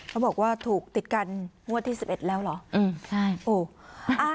เขาบอกว่าถูกติดกันงวดที่๑๑แล้วเหรอ